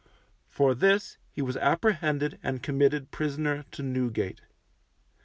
For this he was apprehended and committed prisoner to Newgate.